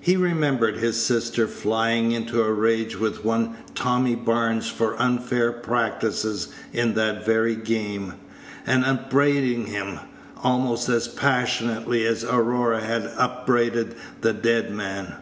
He remembered his sister flying into a rage with one Tommy Barnes for unfair practices in that very game, and upbraiding him almost as passionately as Aurora had upbraided the dead man.